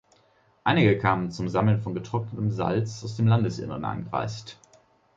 Einige kamen zum Sammeln von getrocknetem Salz aus dem Landesinneren angereist.